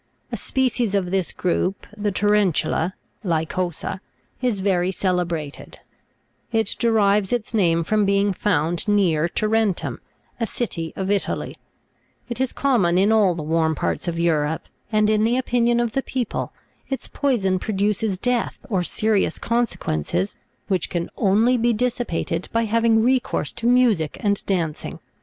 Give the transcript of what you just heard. A species of this group, the tareri'tula (Lycosa) is very celebrated ; it derives its name from being found near Tarentum, a city of Italy : it is common in all the warm parts of Europe, and in the opinion of the people, its poison produces death or serious consequences, which can only be dissipated by having recourse to music and dancing.